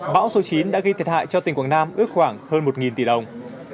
bão số chín đã gây thiệt hại cho tỉnh quảng nam ước khoảng hơn một tỷ đồng